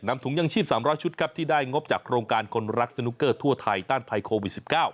ถุงยังชีพ๓๐๐ชุดครับที่ได้งบจากโครงการคนรักสนุกเกอร์ทั่วไทยต้านภัยโควิด๑๙